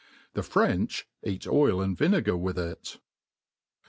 The French eat oil and vincfgar with it.